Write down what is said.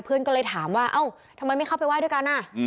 เพื่อนก็เลยถามว่าเอ้าทำไมไม่เข้าไปไห้ด้วยกัน